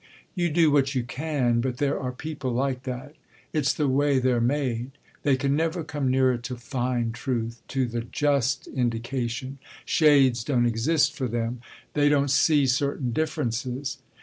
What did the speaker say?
"You do what you can, but there are people like that; it's the way they're made. They can never come nearer to fine truth, to the just indication; shades don't exist for them, they don't see certain differences.